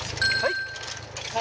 はい？